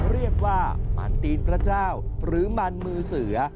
เรียกว่ามันตีนพระเจ้าหรือมันมือเสือ